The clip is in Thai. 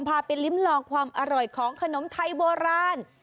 พาไปลิ้มลองความอร่อยของขนมไทยโบราณ